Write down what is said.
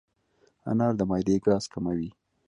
انار د معدې ګاز کموي.